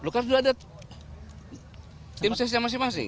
belum kan sudah ada tim ses yang masing masing